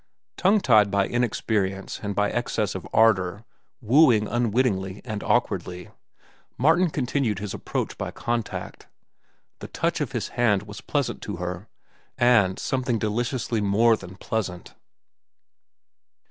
Tongue tied by inexperience and by excess of ardor, wooing unwittingly and awkwardly, Martin continued his approach by contact. The touch of his hand was pleasant to her, and something deliciously more than pleasant.